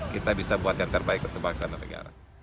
kita bisa buat yang terbaik untuk paksa negara